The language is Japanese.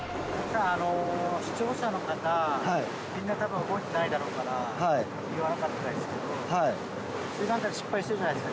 視聴者の方、みんなたぶん覚えてないだろうから、言わなかったですけど、スリランカ失敗してるじゃないですか。